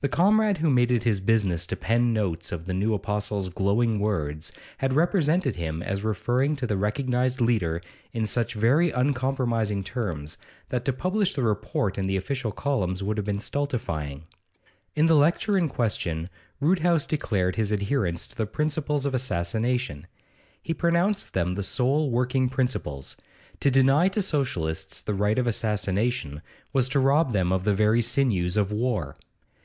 The comrade who made it his business to pen notes of the new apostle's glowing words, had represented him as referring to the recognised leader in such very uncompromising terms, that to publish the report in the official columns would have been stultifying. In the lecture in question Roodhouse declared his adherence to the principles of assassination; he pronounced them the sole working principles; to deny to Socialists the right of assassination was to rob them of the very sinews of war.